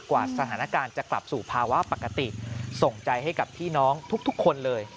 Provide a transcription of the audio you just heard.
กว่าสถานการณ์จะกลับสู่ภาวะปกติส่งใจให้กับพี่น้องทุกคนเลย